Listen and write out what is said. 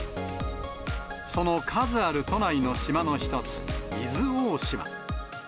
その数ある都内の島の一つ、伊豆大島。